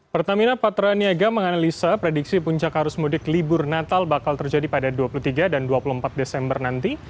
pertamina patraniaga menganalisa prediksi puncak arus mudik libur natal bakal terjadi pada dua puluh tiga dan dua puluh empat desember nanti